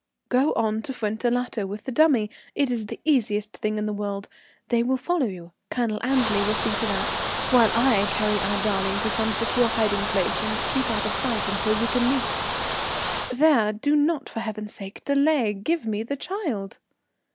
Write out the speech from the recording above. "Go on to Fuentellato with the dummy. It is the easiest thing in the world. They will follow you, Colonel Annesley will see to that, while I carry our darling to some secure hiding place and keep out of sight until we can meet. There, do not, for heaven's sake, delay. Give me the child."